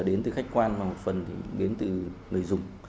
đến từ khách quan và một phần thì đến từ người dùng